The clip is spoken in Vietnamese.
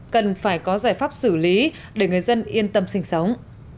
cần phải có giải pháp xử lý để người dân yên tâm sinh sống